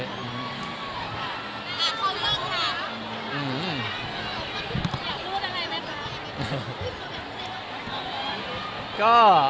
อยากรู้อะไรไหมครับ